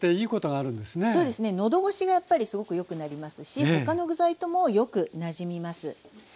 そうですね喉ごしがやっぱりすごくよくなりますし他の具材ともよくなじみます。